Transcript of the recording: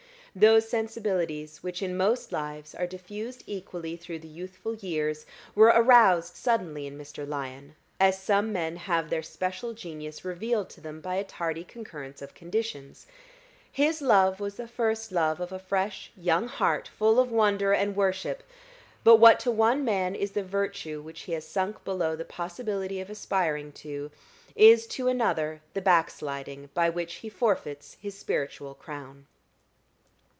Those sensibilities which in most lives are diffused equally through the youthful years, were aroused suddenly in Mr. Lyon, as some men have their special genius revealed to them by a tardy concurrence of conditions. His love was the first love of a fresh young heart full of wonder and worship. But what to one man is the virtue which he has sunk below the possibility of aspiring to, is to another the backsliding by which he forfeits his spiritual crown.